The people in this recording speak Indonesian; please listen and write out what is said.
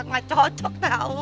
nggak cocok tau